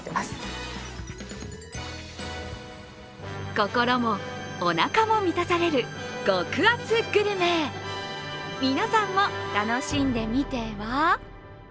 心もおなかも満たされる極厚グルメ、皆さんも楽しんでみては？